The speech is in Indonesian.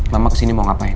mama kesini mau ngapain